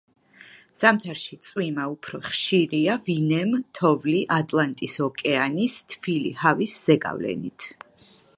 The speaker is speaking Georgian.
ზამთარში წვიმა უფრო ხშირია ვინემ თოვლი ატლანტის ოკეანის თბილი ჰავის ზეგავლენით.